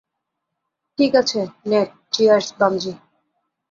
ঠিক আছে, Nate - cheers, bungee.